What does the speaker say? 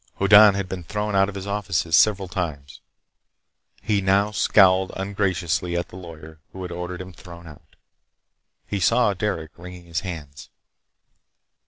Hoddan had been thrown out of his offices several times. He now scowled ungraciously at the lawyer who had ordered him thrown out. He saw Derec wringing his hands.